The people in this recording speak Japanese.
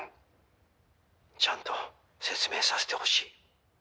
「ちゃんと説明させてほしい」